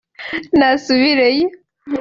nasubireyo